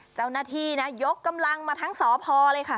เจ้าหน้าที่นะยกกำลังมาทั้งสพเลยค่ะ